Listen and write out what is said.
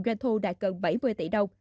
doanh thu đạt gần bảy mươi tỷ đồng